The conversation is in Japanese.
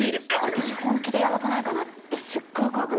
私本気でヤバくないかなってすっごい怖くなって来ました。